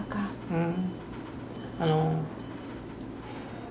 うん。